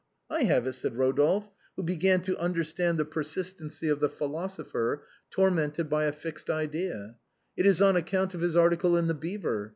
I have it," said Rodolphe, who "began to under stand the persistency of the philosopher, tormented by a fixed idea, " it is on account of his article in ' The Beaver.'